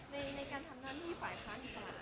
ในการทำงานหนี้ฝ่ายค้าลิศาลาค่ะ